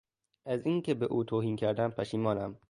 از اینکه به او توهین کردم پشیمانم.